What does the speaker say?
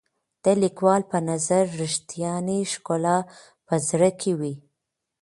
د لیکوال په نظر رښتیانۍ ښکلا په زړه کې وي.